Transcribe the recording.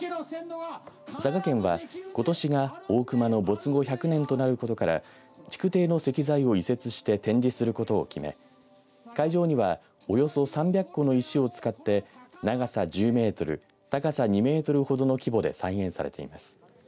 佐賀県は、ことしが大隈の没後１００年となることから築堤の石材を移設して展示することを決め会場にはおよそ３００個の石を使って長さ１０メートル高さ２メートルほどの規模で再現されています。